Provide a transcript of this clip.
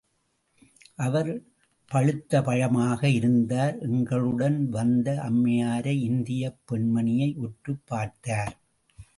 அவர் பழுத்த பழமாக இருந்தார் எங்களுடன் வந்த அம்மையாரை இந்தியப் பெண்மணியை உற்றுப் பார்த்தார்.